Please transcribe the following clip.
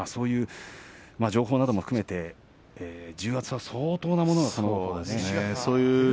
そういう情報なども含めて重圧は相当なものだと思います。